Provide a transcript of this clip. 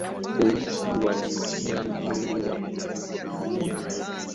Polisi walimtia pingu wakitumia nguvu